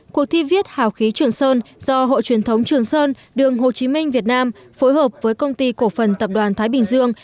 cuộc thi viết hào khí trường sơn do hội truyền thống trường sơn đường hồ chí minh việt nam phối hợp với công ty cổ phần tập đoàn thái bình dương